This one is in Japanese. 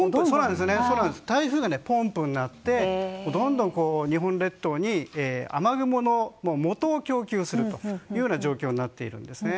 台風がポンプになってどんどん日本列島に雨雲のもとを供給するという状況になっているんですね。